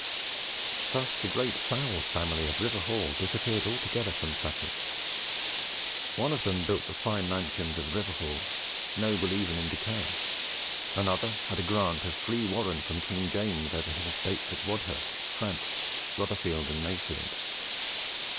Thus the great Fowles family of Riverhall disappeared altogether from Sussex. One of them built the fine mansion of Riverhall, noble even in decay. Another had a grant of free warren from King James over his estates in Wadhurst, Frant, Rotherfield, and Mayfield.